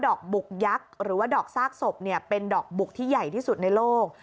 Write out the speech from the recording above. อกบุกยักษ์หรือว่าดอกซากศพเป็นดอกบุกที่ใหญ่ที่สุดในโลก